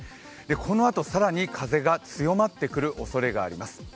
このあと更に風が強まってくるおそれがあります。